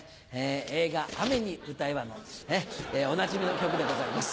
映画『雨に唄えば』のおなじみの曲でございます。